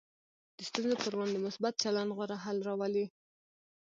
د ستونزو پر وړاندې مثبت چلند غوره حل راولي.